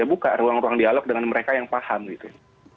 buka ruang ruang dialog dengan mereka yang paham gitu